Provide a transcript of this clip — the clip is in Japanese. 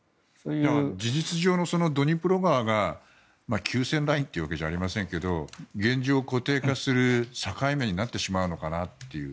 事実上のドニプロ川が休戦ラインというわけじゃありませんが現状、固定化する境目になってしまうのかなという。